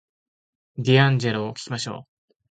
ディアンジェロを聞きましょう